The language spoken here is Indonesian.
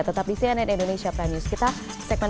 tetap di cnn indonesia prime news kita segmen